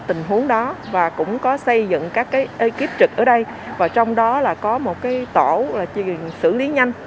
tình huống đó và cũng có xây dựng các ekip trực ở đây và trong đó là có một tổ xử lý nhanh